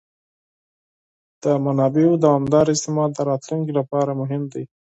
د منابعو دوامداره استعمال د راتلونکي لپاره مهم دی.